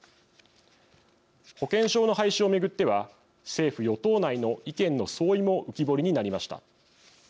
保険証の廃止を巡っては政府・与党内の意見の相違も浮き彫りになりました。